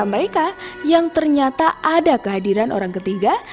mereka yang ternyata ada kehadiran orang ketiga